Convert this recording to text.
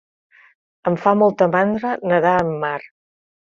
Em fa molta mandra nedar en mar.